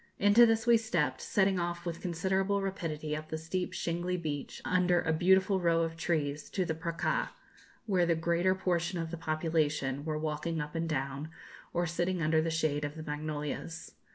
Into this we stepped, setting off with considerable rapidity up the steep shingly beach, under a beautiful row of trees, to the 'Praça,' where the greater portion of the population were walking up and down, or sitting under the shade of the magnolias.